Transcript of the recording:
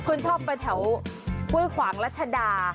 คุณชอบไปแถวห้วยขวางรัชดา